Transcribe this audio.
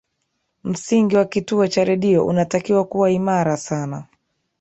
msingi wa kituo cha redio unatakiwa kuwa imara sana